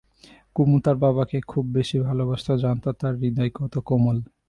কুমু তার বাবাকে খুব বেশি ভালোবাসত, জানত তাঁর হৃদয় কত কোমল।